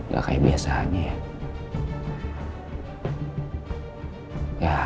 gak kayak biasanya ya